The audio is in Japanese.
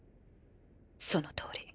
そのとおり。